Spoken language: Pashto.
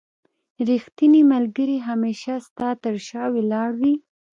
رښتينی ملګري هميشه ستا تر شا ولاړ وي.